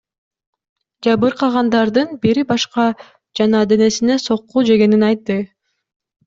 Жабыркагандардын бири башка жана денесине сокку жегенин айтты.